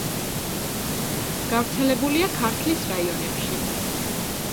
გავრცელებულია ქართლის რაიონებში.